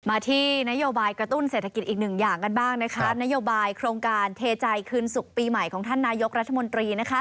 มาที่นโยบายกระตุ้นเศรษฐกิจอีกหนึ่งอย่างกันบ้างนะคะนโยบายโครงการเทใจคืนศุกร์ปีใหม่ของท่านนายกรัฐมนตรี